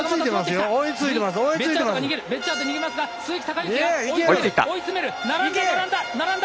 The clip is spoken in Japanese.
ベッジャート逃げますが鈴木孝幸が追い詰める、並んだ。